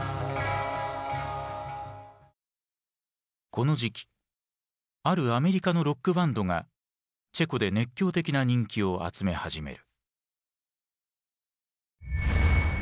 この時期あるアメリカのロックバンドがチェコで熱狂的な人気を集め始める。